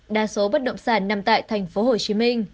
đa số bất động sản nằm tại tp hcm